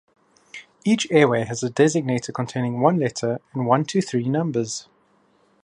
Each airway has a designator containing one letter and one to three numbers.